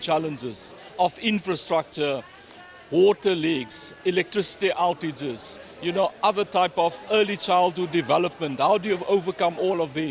tantangan infrastruktur perang kebanyakan kebanyakan kelebihan elektrik perkembangan kecil muda bagaimana kita bisa mengelakkan semua ini